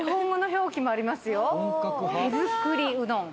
「手作りうどん」